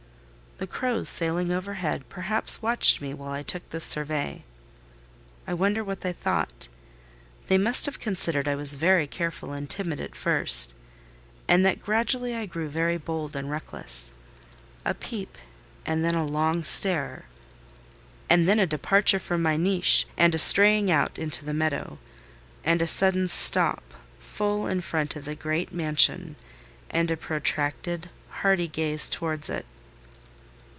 The crows sailing overhead perhaps watched me while I took this survey. I wonder what they thought. They must have considered I was very careful and timid at first, and that gradually I grew very bold and reckless. A peep, and then a long stare; and then a departure from my niche and a straying out into the meadow; and a sudden stop full in front of the great mansion, and a protracted, hardy gaze towards it.